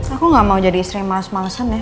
aku gak mau jadi istri yang males malesen ya